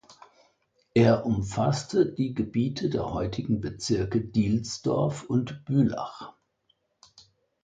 Er umfasste die Gebiete der heutigen Bezirke Dielsdorf und Bülach.